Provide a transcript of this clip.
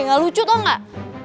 gak lucu tau gak